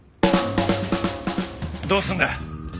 どうすんだ？